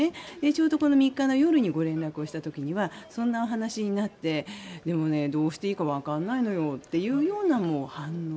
ちょうどこの３日の夜にご連絡をした時にはそんなお話になってでも、どうしていいかわからないのよっていう反応。